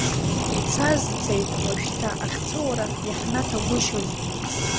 Ицаз цеит, уажәшьҭа ахьҵәыуара иаҳнаҭа гәышьозеи?